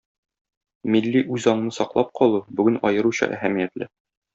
Милли үзаңны саклап калу бүген аеруча әһәмиятле.